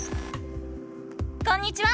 こんにちは！